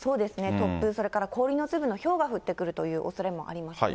突風、それから氷の粒のひょうが降ってくるというおそれもありますね。